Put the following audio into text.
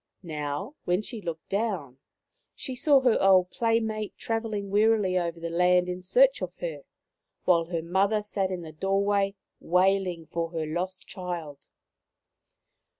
Now, when she looked down, she saw her old playmate travelling wearily over the land in search of her, while her mother sat in the door way wailing for her lost child.